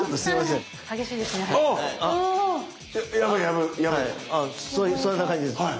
そんな感じです。